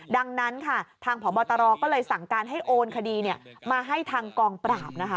ดังนั้นค่ะทางพบตรก็เลยสั่งการให้โอนคดีมาให้ทางกองปราบนะคะ